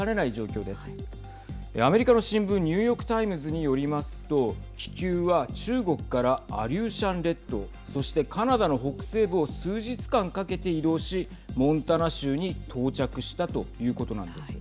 アメリカの新聞ニューヨーク・タイムズによりますと気球は中国からアリューシャン列島そしてカナダの北西部を数日間かけて移動しモンタナ州に到着したということなんです。